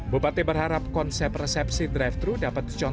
bupati berharap konsep resepsi drive thru dapat dicontohkan